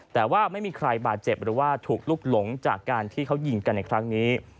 แต่ว่าไม่มีใครบาดเจ็บหรือว่าถูกลุกหลงจากการที่เขายิงกันในครั้งนี้